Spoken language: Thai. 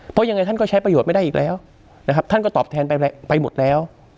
เพราะยังไงท่านก็ใช้ประโยชน์ไม่ได้อีกแล้วนะครับท่านก็ตอบแทนไปหมดแล้ว